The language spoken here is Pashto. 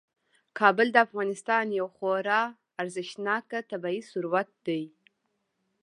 کابل د افغانستان یو خورا ارزښتناک طبعي ثروت دی.